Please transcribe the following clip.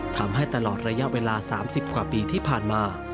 ทำให้ตลอดระยะเวลา๓๐กว่าปีที่ผ่านมา